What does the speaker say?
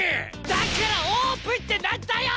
だからオープンって何だよ！